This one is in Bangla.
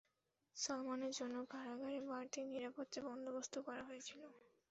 সালমানের জন্য কারাগারে বাড়তি নিরাপত্তার বন্দোবস্ত করা হয়েছিল।